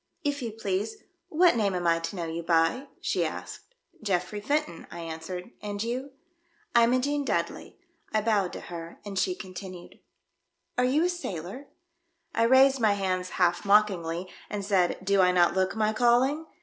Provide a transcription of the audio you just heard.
"If you please, what name am I to know you by ?" she asked. ''Geoffrey Fenton," I answered, "and you r " Imogene Dudley." I bowed to her, and she continued, " Are you a sailor?" I raised my hands half mockingly, and said, " Do I not look my calling?"